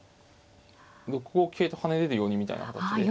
６五桂と跳ねれるようにみたいな形で。